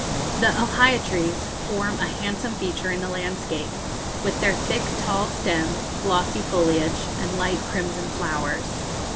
The ohia trees form a handsome feature in the landscape, with their thick tall stems, glossy foliage, and light crimson flowers.